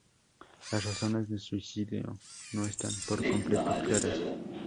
Las razones de su suicidio no están por completo claras.